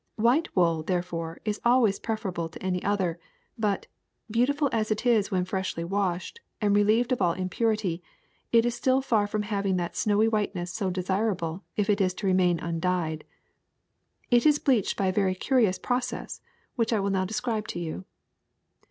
White wool, therefore, is always preferable to any other; but, beautiful as it is when freshly washed and relieved of all impurity, it is still far from having that snowy whiteness so desirable if it is to remain undyed. It is bleached by a very curious process which I will now describe to you.